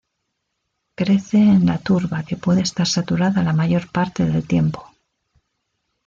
Crece en la turba que puede estar saturada la mayor parte del tiempo.